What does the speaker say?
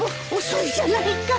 遅いじゃないか。